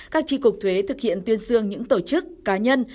các tri cuộc thuế thực hiện tuyên sương những tổ chức cá nhân